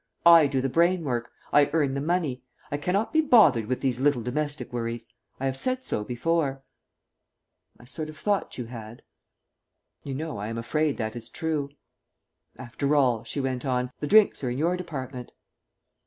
I do the brain work; I earn the money; I cannot be bothered with these little domestic worries. I have said so before." "I sort of thought you had." You know, I am afraid that is true. "After all," she went on, "the drinks are in your department."